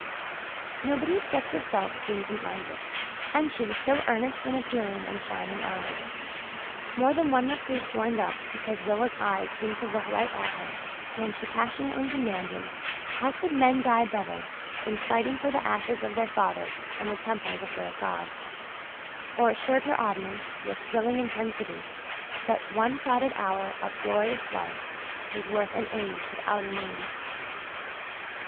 Nobody except herself seemed to mind it. And she was so earnest and appealing and shining eyed! More than one recruit joined up because Rilla's eyes seemed to look right at him when she passionately demanded how could men die better than fighting for the ashes of their fathers and the temples of their gods, or assured her audience with thrilling intensity that one crowded hour of glorious life was worth an age without a name.